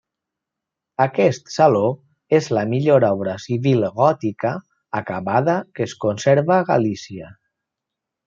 Aquest saló és la millor obra civil gòtica acabada que es conserva a Galícia.